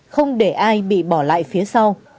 không để ai bị bỏ lại phía sau